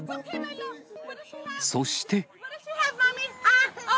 そして。